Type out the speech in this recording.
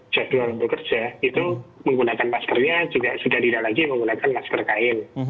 jadwal bekerja itu menggunakan maskernya juga sudah tidak lagi menggunakan masker kain